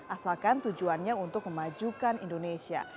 asalkan tujuannya untuk memajukan indonesia